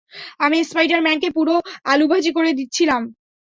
আমি স্পাইডার-ম্যান কে পুরো আলুভাজি করে দিচ্ছিলাম।